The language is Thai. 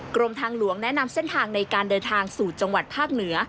กรมทางหลวงแนะนำเส้นทางในการเดินทางสู่จังหวัดภาคเหนือ